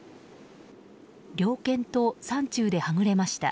猟犬と山中ではぐれました。